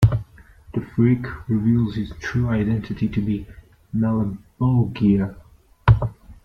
The Freak reveals his true identity to be Malebolgia.